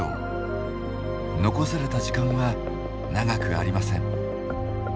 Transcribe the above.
残された時間は長くありません。